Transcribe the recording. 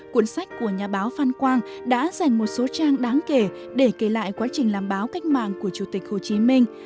cuốn sách của nhà báo phan quang đã dành một số trang đáng kể để kể lại quá trình làm báo cách mạng của chủ tịch hồ chí minh